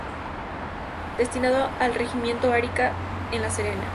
Destinado al Regimiento Arica en La Serena.